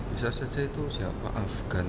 bisa saja itu siapa afgan